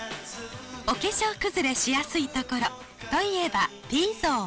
お化粧崩れしやすいところといえばＴゾーン。